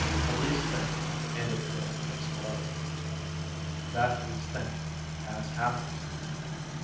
The least thing, and it will explode. That least thing has happened.